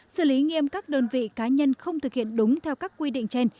xử lý nghiêm các đơn vị cá nhân không thực hiện đúng theo các quy định trên